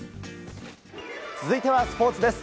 続いてはスポーツです。